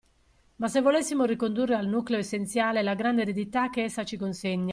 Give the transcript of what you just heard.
Ma se volessimo ricondurre al nucleo essenziale la grande eredità che essa ci consegna.